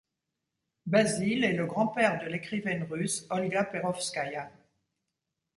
Basile est le grand-père de l'écrivaine russe Olga Perovskaïa.